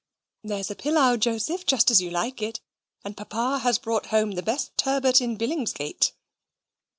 "There's a pillau, Joseph, just as you like it, and Papa has brought home the best turbot in Billingsgate."